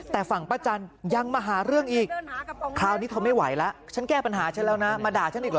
แต่ฝั่งป้าจันยังมาหาเรื่องอีกคราวนี้ทนไม่ไหวแล้วฉันแก้ปัญหาฉันแล้วนะมาด่าฉันอีกเหรอ